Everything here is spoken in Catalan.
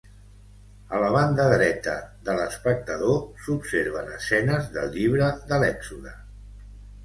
A la banda dreta de l'espectador s'observen escenes del llibre de l'Èxode.